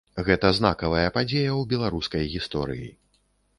Гэта знакавая падзея ў беларускай гісторыі.